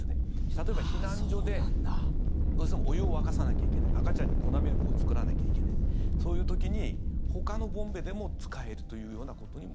例えば、避難所でどうしてもお湯を沸かさなきゃいけない赤ちゃんに粉ミルクを作らなきゃいけないそういう時に、ほかのボンベでも使えるというようなことにも。